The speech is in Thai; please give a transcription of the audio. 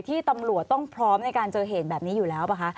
ตำรวจต้องพร้อมในการเจอเหตุแบบนี้อยู่แล้วป่ะคะ